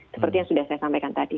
seperti yang sudah saya sampaikan tadi